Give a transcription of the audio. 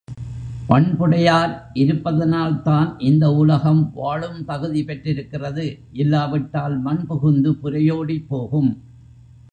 பண்புடையார் இருப்பதனால்தான் இந்த உலகம் வாழும் தகுதி பெற்றிருக்கிறது இல்லாவிட்டால் மண் புகுந்து புரையோடிப்போகும்.